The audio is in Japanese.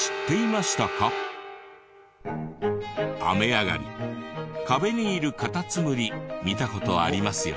雨上がり壁にいるカタツムリ見た事ありますよね？